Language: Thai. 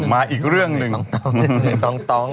มาอีกเรื่องหนึ่ง